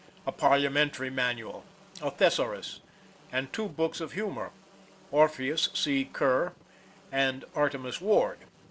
A parliamentary manual, a Thesaurus, and two books of humor, "Orpheus C. Kerr," and "Artemus Ward."